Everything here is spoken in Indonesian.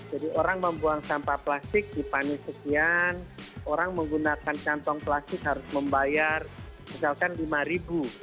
jadi orang membuang sampah plastik dipanis sekian orang menggunakan kantong plastik harus membayar misalkan rp lima